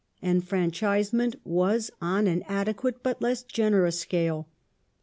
Enfranchise ment was on an adequate but less generous scale.